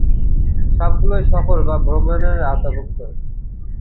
সবগুলোই সফর বা ভ্রমণের আওতাভুক্ত।